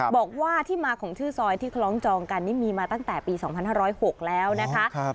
บอกว่าที่มาของชื่อซอยที่คล้องจองกันนี่มีมาตั้งแต่ปี๒๕๐๖แล้วนะคะ